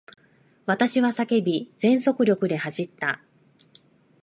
私は叫び、全速力で走った。